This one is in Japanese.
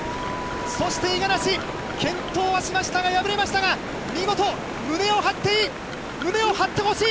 そして五十嵐、健闘はしましたが、敗れましたが、見事、胸を張っていい、胸を張ってほしい。